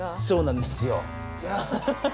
そうなんですよ。